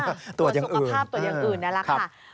ตรวจสุขภาพตัวอย่างอื่นนี่แหละค่ะ